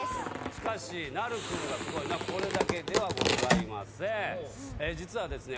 しかし凪瑠くんがすごいのはこれだけではございません実はですね